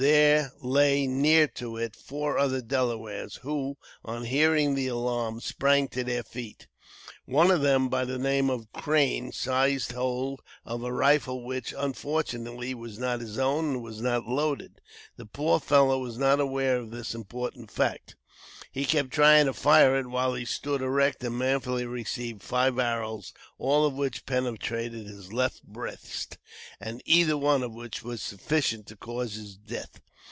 There lay near to it four other Delawares, who, on hearing the alarm, sprang to their feet. One of them by the name of Crane, seized hold of a rifle which, unfortunately, was not his own, and was not loaded. The poor fellow was not aware of this important fact. He kept trying to fire it while he stood erect, and manfully received five arrows, all of which penetrated his left breast, and either one of which was sufficient to cause his death.